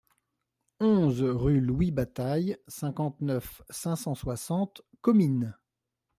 onze rue Louis Bataille, cinquante-neuf, cinq cent soixante, Comines